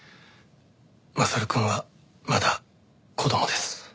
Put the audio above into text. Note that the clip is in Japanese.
将くんはまだ子供です。